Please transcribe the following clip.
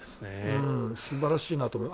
素晴らしいなと思う。